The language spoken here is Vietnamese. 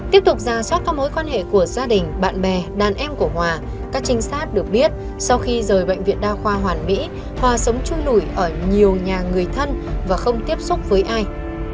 tiếp tục ra soát các mối quan hệ của gia đình bạn bè đàn em của hòa các trinh sát được biết sau khi rời bệnh viện đa khoa hoàn mỹ hòa sống chui lủi ở nhiều nhà người thân và không tiếp xúc với ai